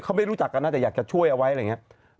เขาไม่รู้จักกันนะแต่อยากจะช่วยเอาไว้อะไรอย่างนี้